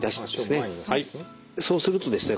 そうするとですね